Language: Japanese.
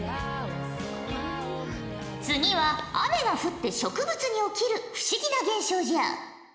次は雨が降って植物に起きる不思議な現象じゃ。